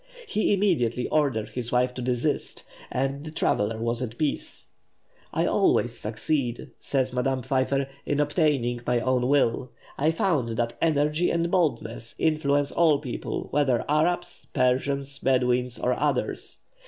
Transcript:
He immediately ordered his wife to desist, and the traveller was at peace. "I always succeeded," says Madame Pfeiffer, "in obtaining my own will. I found that energy and boldness influence all people, whether Arabs, Persians, Bedouins, or others."